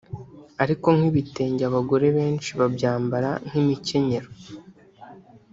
Ariko nk'ibitenge abagore benshi babyambara nk'imikenyero